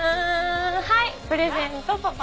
はいプレゼントパパ。